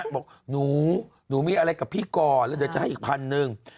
บอกหนูหนูมีอะไรกับพี่ก่อนแล้วเดี๋ยวจะให้อีกพันหนึ่ง